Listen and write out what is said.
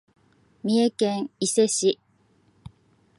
三重県伊勢市